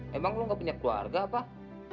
memang lu ga punya keluarga pak